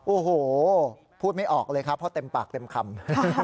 โอ้โหพูดไม่ออกเลยครับเพราะเต็มปากเต็มคำ